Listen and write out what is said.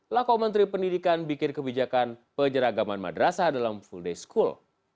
lako menteri pendidikan bikin kebijakan penyeragaman madrasah dalam full day school